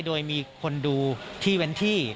โดยมีคนดูที่เว้นที่